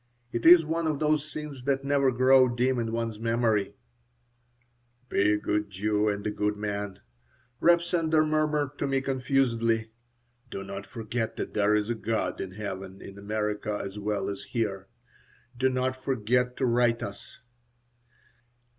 It is one of those scenes that never grow dim in one's memory "Be a good Jew and a good man," Reb Sender murmured to me, confusedly. "Do not forget that there is a God in heaven in America as well as here. Do not forget to write us."